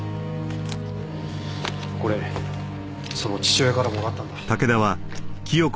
これその父親からもらったんだ。